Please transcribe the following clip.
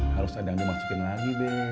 harus ada yang dimasukin lagi be